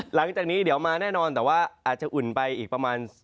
หลังจากนี้เดี๋ยวมาแน่นอนแต่ว่าอาจจะอุ่นไปอีกประมาณ